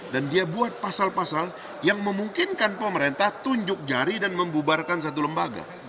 dan dia membuat pasal pasal yang memungkinkan pemerintah tunjuk jari dan membubarkan satu lembaga